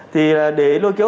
thì để lôi kéo